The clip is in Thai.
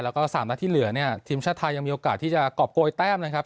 แล้วก็สามนัดที่เหลือเนี่ยทีมชาติไทยยังมีโอกาสที่จะกรอบโกยแต้มนะครับ